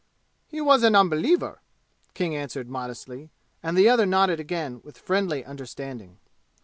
"He was an unbeliever," King answered modestly, and the other nodded again with friendly understanding.